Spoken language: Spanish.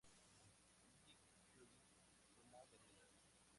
Nick Fury tomó medidas.